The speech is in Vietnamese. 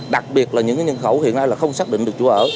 đặc biệt là những nhân khẩu hiện nay là không xác định được chỗ ở